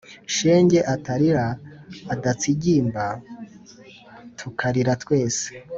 shenge atarira, adatsigimba tukarira twese